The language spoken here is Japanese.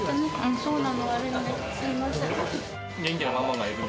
そうなの、悪いね、すみません。